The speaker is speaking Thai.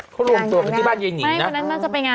คุณพรุ่งตัวไปที่บ้านยายหนิงนะ